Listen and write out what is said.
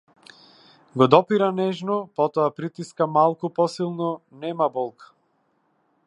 Го допира нежно, потоа притиска малку посилно, нема болка.